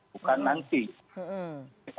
bukan nanti kita